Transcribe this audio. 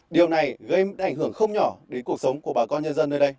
điều này gây ảnh hưởng không nhỏ đến cuộc sống